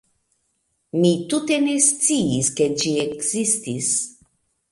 Mi tute ne sciis ke ĝi ekzistis.